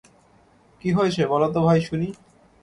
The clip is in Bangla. কী হয়েছে বল তো ভাই শুনি।